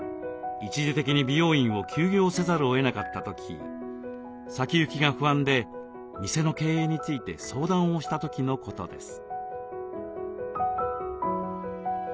一時的に美容院を休業せざるをえなかった時先行きが不安で店の経営について相談をした時のことです。